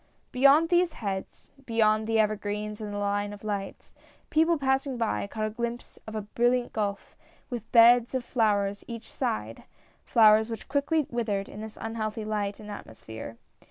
Beyond these heads, beyond the evergreens and the line of lights, people passing by, caught a glimpse of a HER FIRST APPEARANCE. 105 brilliant gulf, with beds of flowers each side — flowers which quickly withered in this unhealthy light and atmosphere.